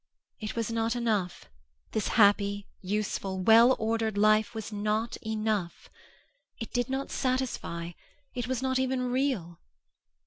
It was not enough; this happy, useful, well ordered life was not enough. It did not satisfy, it was not even real.